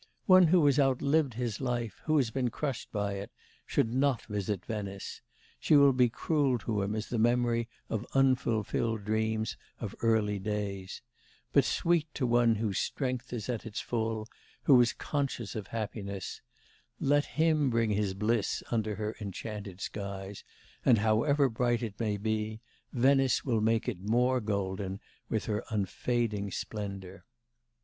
One who has outlived his life, who has been crushed by it, should not visit Venice; she will be cruel to him as the memory of unfulfilled dreams of early days; but sweet to one whose strength is at its full, who is conscious of happiness; let him bring his bliss under her enchanted skies; and however bright it may be, Venice will make it more golden with her unfading splendour.